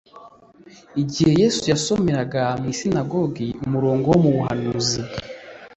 Igihe Yesu yasomeraga mu isinagogi umurongo wo mu buhanuzi,